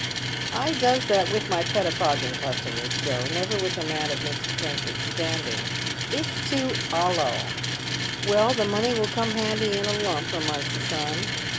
" I does that with my pettifogging customers, Joe, never with a man of Mr. Trenchard's standing. It's too 'oUow." " Well, the money will come handy in a lump," remarks the son.